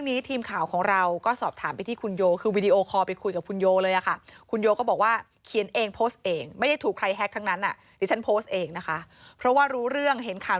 กทั้งนั้นอ่ะดิฉันโพสต์เองนะคะเพราะว่ารู้เรื่องเห็นข่าว